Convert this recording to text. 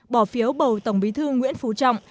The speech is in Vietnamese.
bỏ phiếu bầu tổng bí thư nguyễn phú trọng